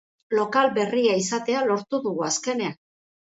Lokal berria izatea lortu dugu azkenean!